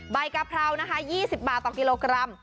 กะเพรานะคะ๒๐บาทต่อกิโลกรัม